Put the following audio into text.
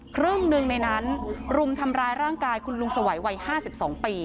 ครึ่งหนึ่งในนั้นรุมทำร้ายร่างกายคุณลุงสวัยวัย๕๒ปี